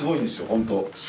本当。